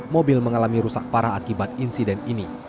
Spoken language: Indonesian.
mobil mengalami rusak parah akibat insiden ini